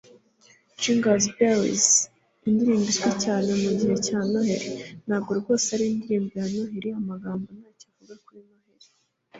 Jingle Bells indirimbo izwi cyane mugihe cya Noheri ntabwo rwose ari indirimbo ya Noheri Amagambo ntacyo avuga kuri Noheri